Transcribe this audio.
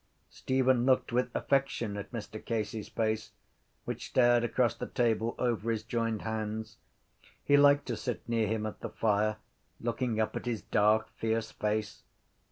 Stephen looked with affection at Mr Casey’s face which stared across the table over his joined hands. He liked to sit near him at the fire, looking up at his dark fierce face.